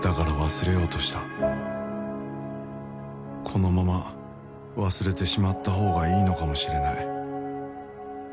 このまま忘れてしまった方がいいのかもしれない